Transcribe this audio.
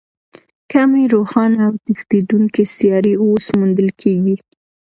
کمې روښانه او تښتېدونکې سیارې اوس موندل کېږي.